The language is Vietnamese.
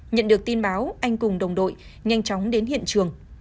nhận được tin báo anh cùng đồng đội nhanh chóng đến hiện trường